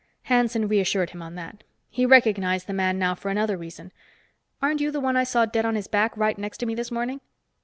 Hanson reassured him on that. He recognized the man now for another reason. "Aren't you the one I saw dead on his back right next to me this morning?"